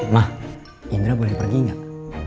mah indra boleh pergi nggak